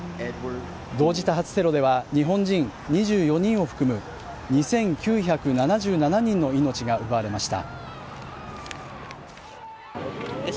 同時多発テロでは、日本人２４人を含む２９７７人の命が奪われました。